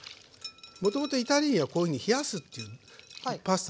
もともとイタリーにはこういうふうに冷やすっていうパスタはないんです。